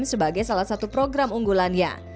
sebagai salah satu program unggulannya